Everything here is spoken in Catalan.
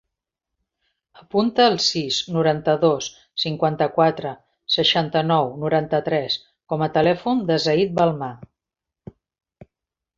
Apunta el sis, noranta-dos, cinquanta-quatre, seixanta-nou, noranta-tres com a telèfon del Zayd Belmar.